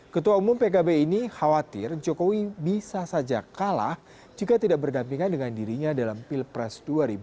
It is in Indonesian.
ketua umum pkb ini khawatir jokowi bisa saja kalah jika tidak berdampingan dengan dirinya dalam pilpres dua ribu dua puluh